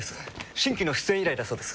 新規の出演依頼だそうです。